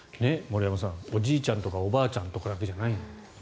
森山さん、おじいちゃんとかおばあちゃんだけじゃない。